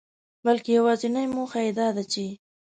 بلکي يوازنۍ موخه يې داده چي